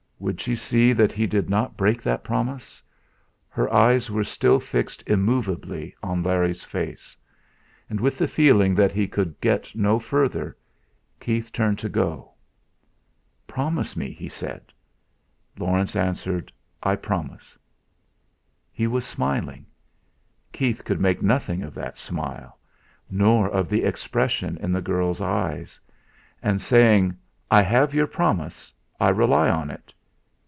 Would she see that he did not break that promise? Her eyes were still fixed immovably on Larry's face. And with the feeling that he could get no further, Keith turned to go. "Promise me," he said. Laurence answered: "I promise." He was smiling. Keith could make nothing of that smile, nor of the expression in the girl's eyes. And saying: "I have your promise, I rely on it!"